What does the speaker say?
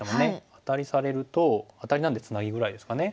アタリされるとアタリなんでツナギぐらいですかね。